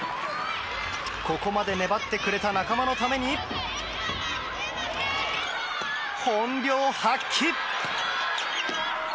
ここまで粘ってくれた仲間のために本領発揮！